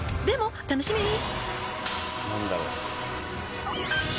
でも楽しみ！